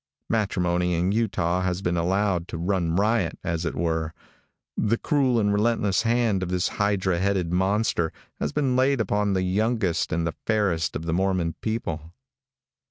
Matrimony in Utah has been allowed to run riot, as it were. The cruel and relentless hand of this hydra headed monster has been laid upon the youngest and the fairest of the Mormon people.